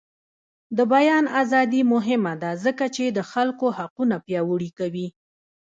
د بیان ازادي مهمه ده ځکه چې د خلکو حقونه پیاوړي کوي.